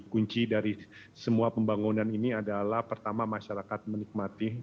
kunci dari semua pembangunan ini adalah pertama masyarakat menikmati